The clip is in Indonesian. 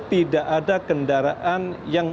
tidak ada kendaraan yang